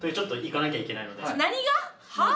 はあ？